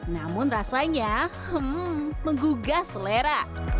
namun rasanya menggugah selera